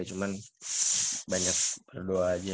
cuman banyak berdoa aja ya